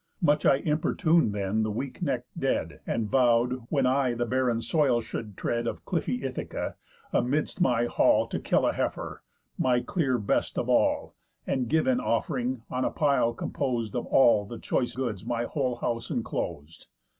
Much I importun'd then the weak neck'd dead, And vow'd, when I the barren soil should tread Of clifty Ithaca, amidst my hall To kill a heifer, my clear best of all, And give in off'ring, on a pile compos'd Of all the choice goods my whole house enclos'd.